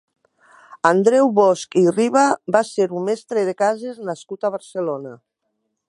Andreu Bosch i Riba va ser un mestre de cases nascut a Barcelona.